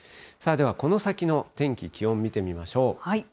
さあでは、この先の天気、気温見てみましょう。